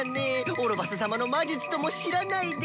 オロバス様の魔術とも知らないで。